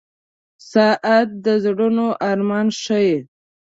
• ساعت د زړونو ارمان ښيي.